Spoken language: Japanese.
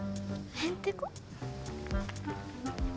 ヘンテコ？